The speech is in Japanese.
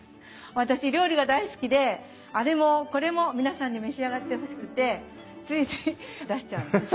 私料理が大好きであれもこれも皆さんに召し上がってほしくてついつい出しちゃうんです。